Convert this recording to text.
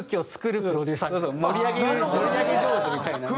盛り上げ上手みたいなね。